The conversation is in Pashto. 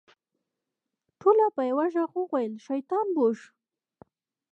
ټولو په يوه ږغ وويل شيطان بوش.